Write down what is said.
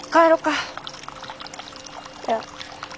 いや。